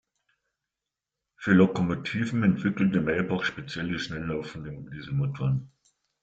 Für Lokomotiven entwickelte Maybach spezielle schnelllaufende Dieselmotoren.